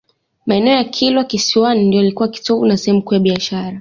Maeneo ya Kilwa Kisiwani ndio yalikuwa kitovu na sehemu kuu ya biashara